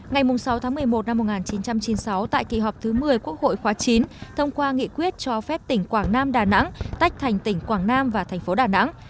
ngày sáu tháng một mươi một năm một nghìn chín trăm chín mươi sáu tại kỳ họp thứ một mươi quốc hội khóa chín thông qua nghị quyết cho phép tỉnh quảng nam đà nẵng tách thành tỉnh quảng nam và thành phố đà nẵng